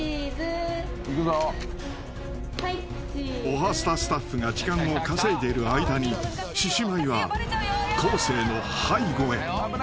［『おはスタ』スタッフが時間を稼いでる間に獅子舞は昴生の背後へ］